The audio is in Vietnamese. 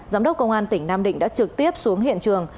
giám đốc công an tỉnh nam định đã trực tiếp xuống hiện trường